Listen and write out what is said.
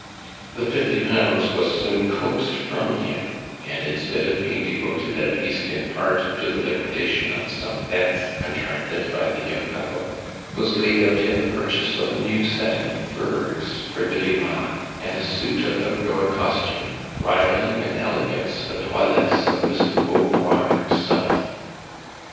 The fifty pounds was soon coaxed from him, and instead of being devoted at least in part, to the liquidation of some debts contracted by the young couple, was laid out in the purchase of a new set of furs for Delima and a suit of out door costume, ri valling in elegance the toilettes of Miss do Beauvoir herself.